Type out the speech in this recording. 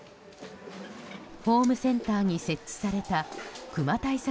ホームセンターに設置されたクマ対策